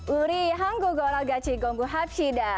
uri hanggu gora gachi gonggu hapshida